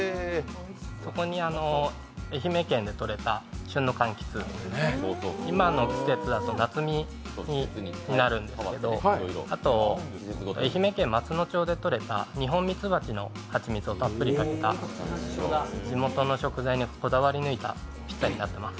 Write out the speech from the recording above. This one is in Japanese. そこに愛媛県でとれた旬の柑橘、今の季節だとなつみになるんですけど、あと、愛媛県松野町でとれたニホンミツバチの蜂蜜をたっぷりかけた、地元の食材にこだわり抜いたピッツァになってます。